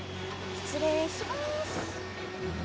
失礼します。